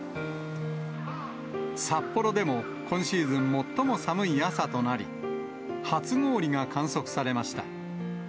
札幌でも、今シーズン最も寒い朝となり、初氷が観測されました。